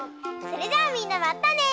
それじゃあみんなまたね！